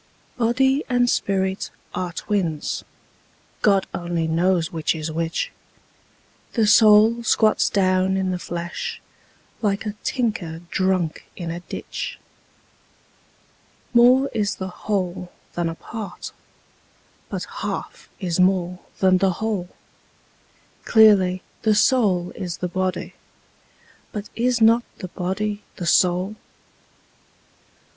Body and spirit are twins: God only knows which is which: The soul squats down in the flesh, like a tinker drunk in a ditch. More is the whole than a part: but half is more than the whole: Clearly, the soul is the body: but is not the body the soul?